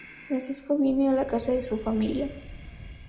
Francisco viene a la casa de su familia.